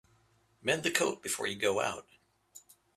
Mend the coat before you go out.